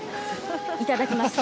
いただきます。